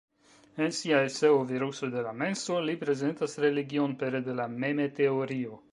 En sia eseo "Virusoj de la menso" li prezentas religion pere de la meme-teorio.